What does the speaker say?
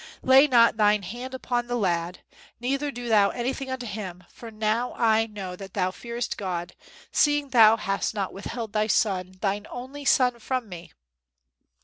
lay not thine hand upon the lad, neither do thou anything unto him; for now I know that thou fearest God, seeing thou hast not withheld thy son, thine only son from me....